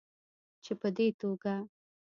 چې په دې توګه